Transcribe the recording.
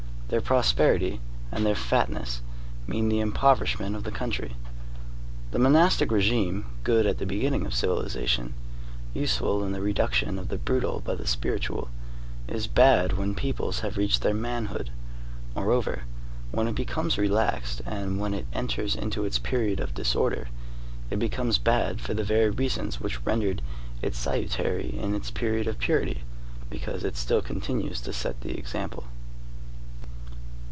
Their prosperity and their fatness mean the impoverishment of the country. The monastic regime, good at the beginning of civilization, useful in the reduction of the brutal by the spiritual, is bad when peoples have reached their manhood. Moreover, when it becomes relaxed, and when it enters into its period of disorder, it becomes bad for the very reasons which rendered it salutary in its period of purity, because it still continues to set the example.